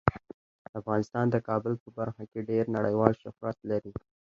افغانستان د کابل په برخه کې ډیر نړیوال شهرت لري.